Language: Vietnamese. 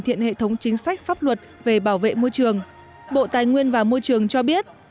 cải thiện hệ thống chính sách pháp luật về bảo vệ môi trường bộ tài nguyên và môi trường cho biết